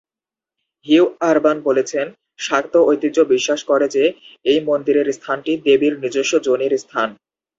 Hugh Urban বলেছেন, শাক্ত ঐতিহ্য বিশ্বাস করে যে, এই মন্দিরের স্থানটি "দেবীর নিজস্ব যোনির স্থান"।